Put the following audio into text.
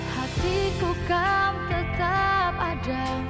hatiku kamu tetap ada